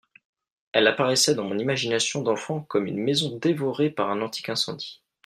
Elle apparaissait dans mon imagination d'enfant comme une maison devorée par un antique incendie.